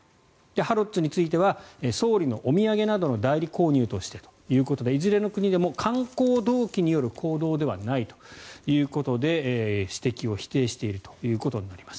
ハロッズについては総理のお土産などの代理購入としてということでいずれの国でも観光動機による行動ではないということで指摘を否定しているということになります。